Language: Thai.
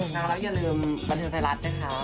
แล้วอย่าลืมรันทายลัดด้วยค่ะ